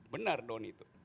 benar don itu